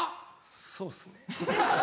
そうですね。